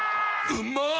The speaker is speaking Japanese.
うまっ！